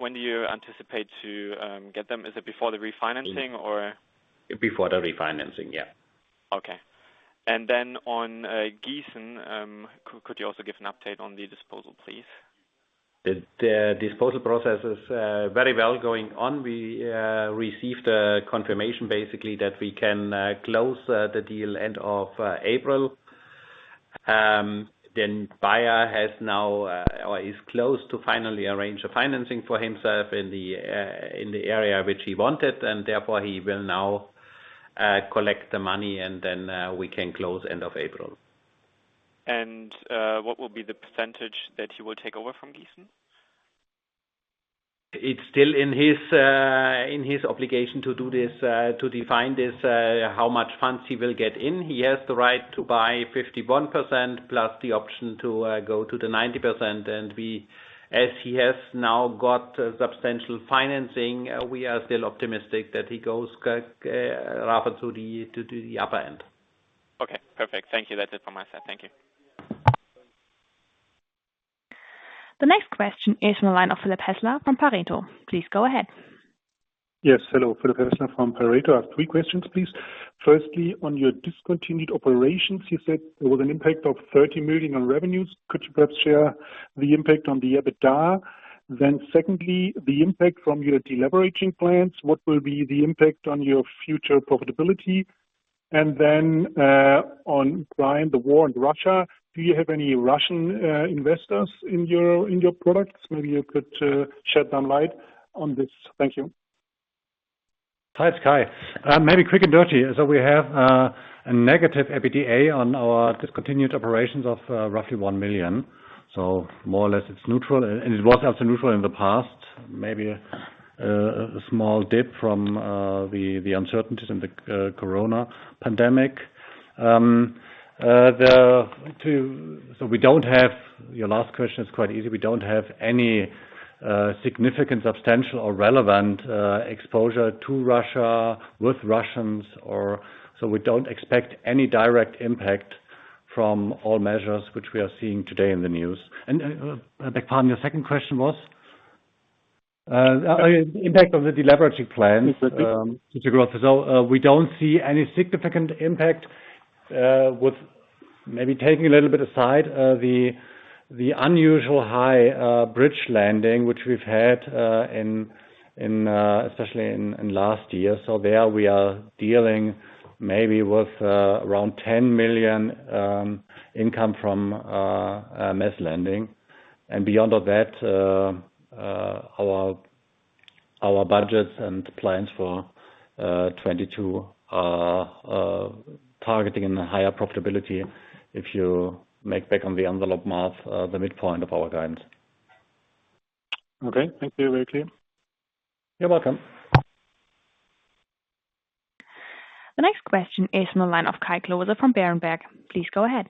When do you anticipate to get them? Is it before the refinancing or? Before the refinancing, yeah. Okay. On Giessen, could you also give an update on the disposal, please? The disposal process is going very well. We received a confirmation basically that we can close the deal end of April. The buyer has now or is close to finally arrange a financing for himself in the area which he wanted, and therefore he will now collect the money and then we can close end of April. What will be the percentage that he will take over from Giessen? It's still in his obligation to do this, to define this, how much funds he will get in. He has the right to buy 51% plus the option to go to the 90%. As he has now got substantial financing, we are still optimistic that he goes rather to the upper end. Okay, perfect. Thank you. That's it from my side. Thank you. The next question is from a line of Philipp Häßler from Pareto. Please go ahead. Yes. Hello. Philipp Häßler from Pareto Securities. I have three questions, please. Firstly, on your discontinued operations, you said there was an impact of 30 million on revenues. Could you perhaps share the impact on the EBITDA? Secondly, the impact from your deleveraging plans, what will be the impact on your future profitability? On Ukraine, the war in Russia, do you have any Russian investors in your products? Maybe you could shed some light on this. Thank you. Hi, it's Kai. Maybe quick and dirty. We have a negative EBITDA on our discontinued operations of roughly 1 million. More or less it's neutral, and it was also neutral in the past. Maybe a small dip from the uncertainties and the corona pandemic. We don't have. Your last question is quite easy. We don't have any significant, substantial or relevant exposure to Russia with Russians or. We don't expect any direct impact from all measures which we are seeing today in the news. Beg your pardon, your second question was? Impact of the deleveraging plan. We don't see any significant impact, with maybe taking a little bit aside, the unusually high bridge lending which we've had, especially in last year. There we are dealing maybe with around 10 million income from mezz lending. Beyond that, our budgets and plans for 2022 are targeting higher profitability if you make back-of-the-envelope math, the midpoint of our guidance. Okay. Thank you. Very clear. You're welcome. The next question is from the line of Kai Klose from Berenberg. Please go ahead.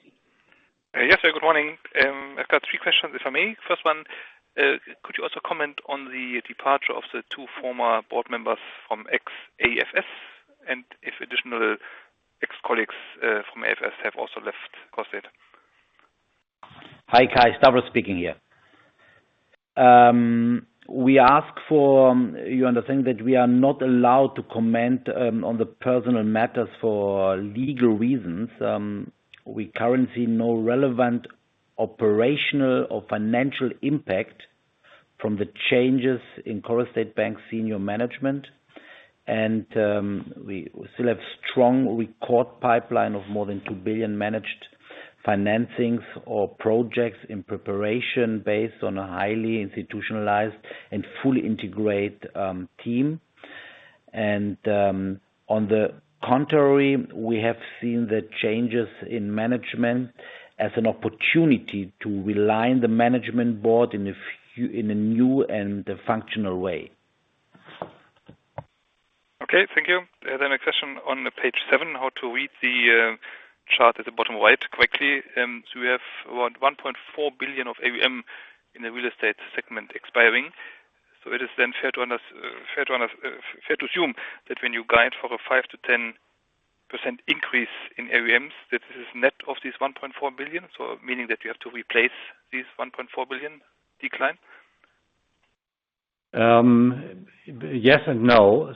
Yes. Good morning. I've got three questions, if I may. First one, could you also comment on the departure of the two former board members from ex-AFS, and if additional ex-colleagues from AFS have also left Corestate? Hi, Kai. Stavros Efremidis speaking here. We ask you to understand that we are not allowed to comment on the personnel matters for legal reasons. We currently see no relevant operational or financial impact from the changes in Corestate Bank senior management. We still have a strong record pipeline of more than 2 billion managed financings or projects in preparation based on a highly institutionalized and fully integrated team. On the contrary, we have seen the changes in management as an opportunity to realign the Management Board in a new and functional way. Okay. Thank you. The next question on page 7, how to read the chart at the bottom right quickly. We have around 1.4 billion of AUM in the real estate segment expiring. It is fair to assume that when you guide for a 5%-10% increase in AUMs, that this is net of this 1.4 billion decline, so meaning that you have to replace this 1.4 billion decline? Yes and no.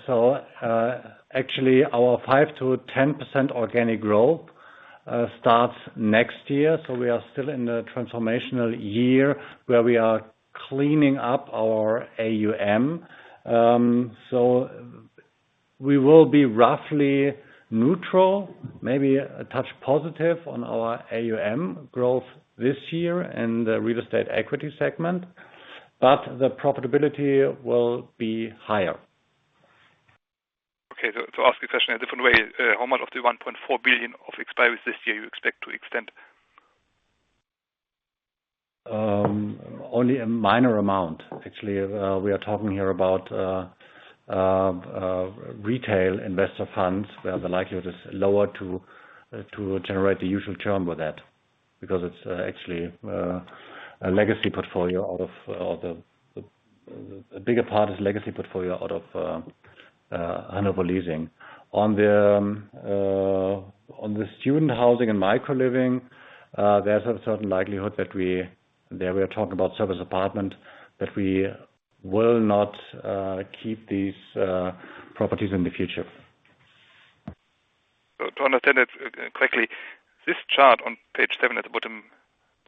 Actually our 5%-10% organic growth starts next year. We are still in the transformational year where we are cleaning up our AUM. We will be roughly neutral, maybe a touch positive on our AUM growth this year in the real estate equity segment, but the profitability will be higher. Okay. To ask the question a different way, how much of the 1.4 billion of expiries this year you expect to extend? Only a minor amount. Actually, we are talking here about retail investor funds where the likelihood is lower to generate the usual term with that because it's actually a legacy portfolio out of Hannover Leasing. A bigger part is legacy portfolio out of Hannover Leasing. On the student housing and micro living, there's a certain likelihood. There we are talking about service apartment that we will not keep these properties in the future. To understand that quickly, this chart on page seven at the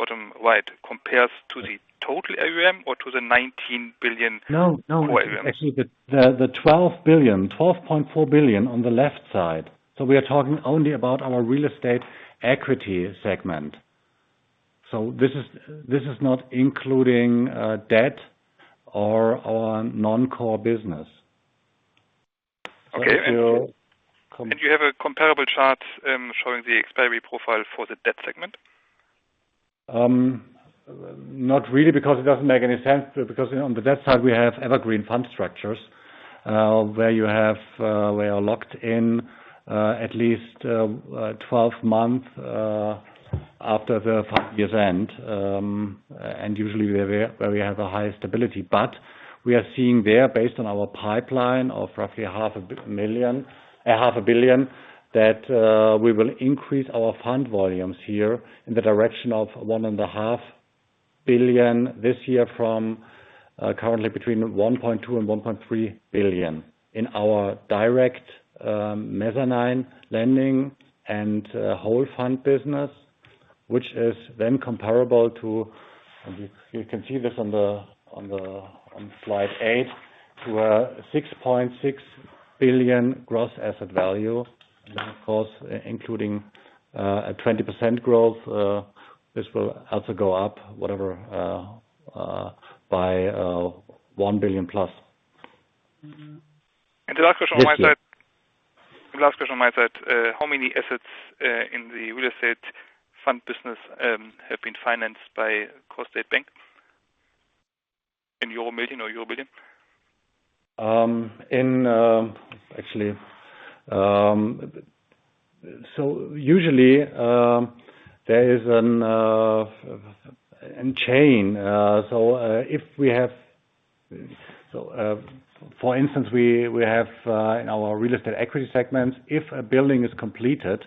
bottom right compares to the total AUM or to the 19 billion No, no. AUM. Actually, the 12.4 billion on the left side. We are talking only about our real estate equity segment. This is not including debt or our non-core business. To com- Okay. Do you have a comparable chart, showing the expiry profile for the debt segment? Not really, because it doesn't make any sense because on the debt side we have evergreen fund structures, where you're locked in at least 12 months after the 5-year end. Usually where we have the highest stability. We are seeing there based on our pipeline of roughly EUR half a billion that we will increase our fund volumes here in the direction of one and a half billion this year from currently between 1.2 billion and 1.3 billion in our direct mezzanine lending and whole loan business, which is then comparable to. You can see this on slide 8, to 6.6 billion gross asset value. Of course, including a 20% growth, this will also go up whatever by 1 billion plus. The last question on my side. Yes, please. The last question on my side. How many assets in the real estate fund business have been financed by Corestate Bank in EUR million or EUR billion? Actually, usually there is a chain. For instance, we have in our real estate equity segments, if a building is completed,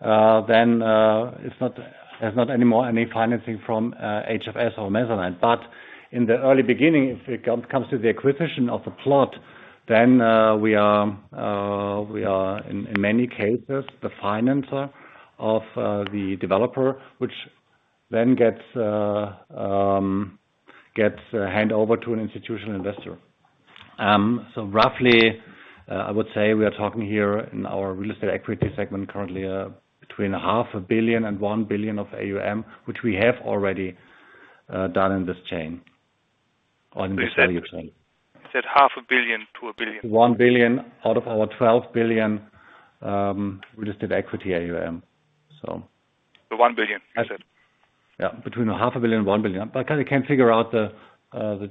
then there is no more financing from HFS or mezzanine. In the early beginning, if it comes to the acquisition of the plot, then we are in many cases the financier of the developer. Which then gets handed over to an institutional investor. Roughly, I would say we are talking here in our real estate equity segment currently between half a billion EUR and 1 billion EUR of AUM. Which we have already done in this chain on this value chain. You said EUR half a billion to 1 billion. 1 billion out of our EUR 12 billion registered equity AUM so. 1 billion you said? Yeah, between EUR half a billion and 1 billion. I kinda can't figure out the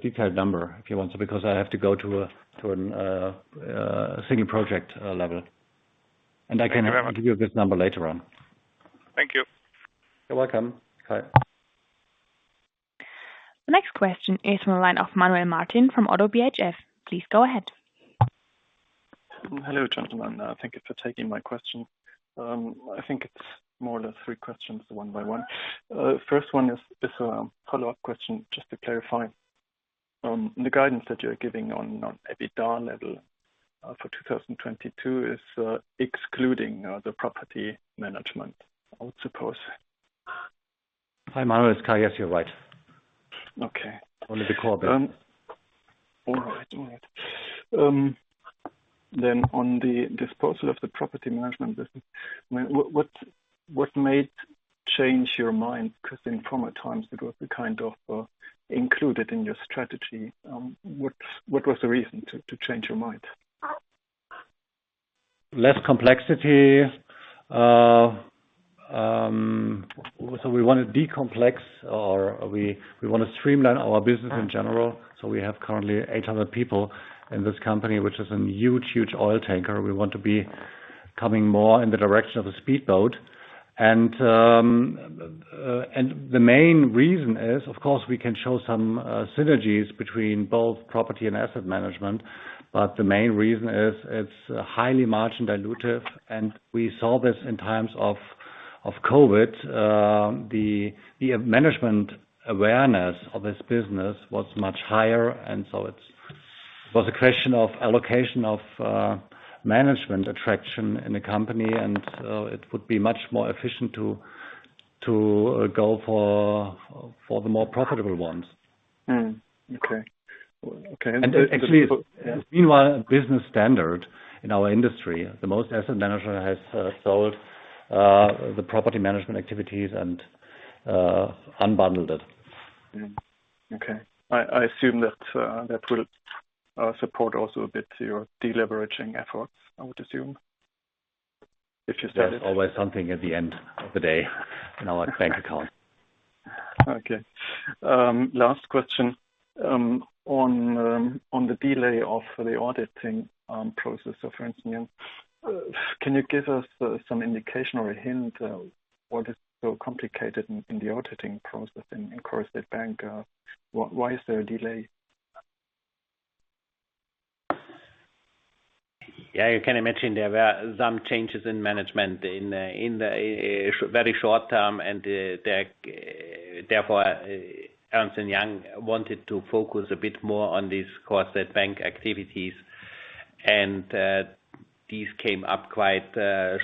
detailed number if you want to because I have to go to a single project level. I can. Thank you very much. Give you this number later on. Thank you. You're welcome. Bye. The next question is from the line of Manuel Martin from Oddo BHF. Please go ahead. Hello, gentlemen. Thank you for taking my question. I think it's more or less three questions one by one. First one is a follow-up question just to clarify. The guidance that you're giving on EBITDA level for 2022 is excluding the property management, I would suppose. Hi, Manuel. It's Kai. Yes, you're right. Okay. Only the core bit. All right. On the disposal of the property management business, what made you change your mind? 'Cause in former times it was kind of included in your strategy. What was the reason to change your mind? Less complexity. We wanna decomplex or we wanna streamline our business in general. We have currently 800 people in this company, which is a huge oil tanker. We want to become more in the direction of a speedboat. The main reason is, of course, we can show some synergies between both property and asset management, but the main reason is it's highly margin dilutive, and we saw this in times of COVID. The management awareness of this business was much higher and so it was a question of allocation of management attention in the company. It would be much more efficient to go for the more profitable ones. Okay. Actually it's meanwhile a business standard in our industry. The most asset managers have sold the property management activities and unbundled it. Okay. I assume that that will support also a bit your deleveraging efforts, I would assume. If you say. There's always something at the end of the day in our bank account. Okay. Last question. On the delay of the auditing process of Ernst & Young. Can you give us some indication or a hint what is so complicated in the auditing process in Corestate Bank, why is there a delay? Yeah, you can imagine there were some changes in management in the very short term and therefore Ernst & Young wanted to focus a bit more on these Corestate Bank activities. These came up quite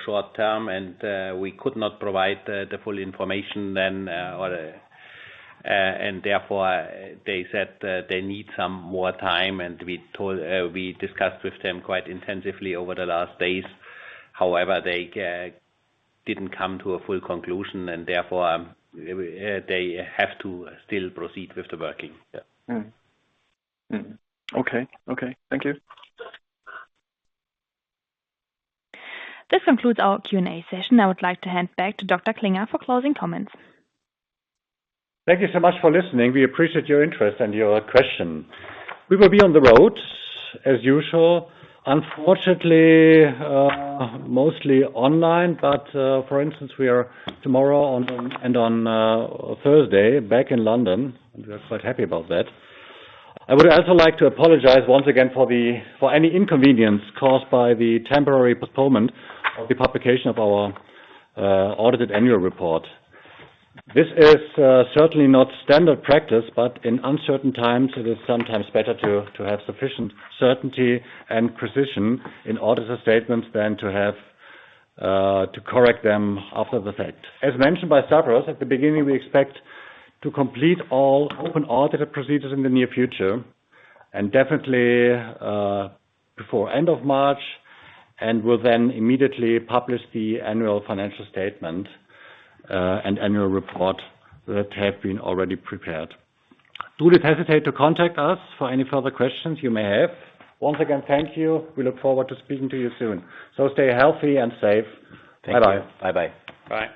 short term and we could not provide the full information then, or, and therefore they said that they need some more time. We discussed with them quite intensively over the last days. However, they didn't come to a full conclusion and therefore they have to still proceed with the working. Okay. Thank you. This concludes our Q&A session. I would like to hand back to Dr. Klinger for closing comments. Thank you so much for listening. We appreciate your interest and your question. We will be on the road as usual. Unfortunately, mostly online, but, for instance, we are tomorrow on and on, Thursday back in London. We're quite happy about that. I would also like to apologize once again for any inconvenience caused by the temporary postponement of the publication of our, audited annual report. This is, certainly not standard practice, but in uncertain times it is sometimes better to have sufficient certainty and precision in auditor statements than to have, to correct them after the fact. As mentioned by Stavros at the beginning, we expect to complete all open audited procedures in the near future and definitely, before end of March. We'll then immediately publish the annual financial statement, and annual report that have been already prepared. Do not hesitate to contact us for any further questions you may have. Once again, thank you. We look forward to speaking to you soon. Stay healthy and safe. Thank you. Bye-bye. Bye-bye. Bye.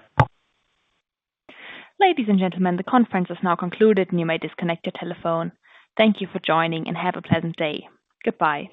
Ladies and gentlemen, the conference is now concluded and you may disconnect your telephone. Thank you for joining and have a pleasant day. Goodbye.